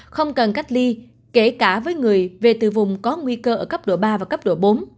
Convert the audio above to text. không cần cách ly kể cả với người về từ vùng có nguy cơ ở cấp độ ba và cấp độ bốn